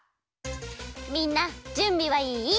みんなじゅんびはいい？